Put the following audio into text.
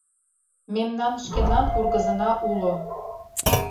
Мемнан шкенан ургызына уло.